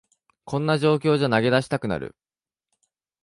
こんな状況じゃ投げ出したくなる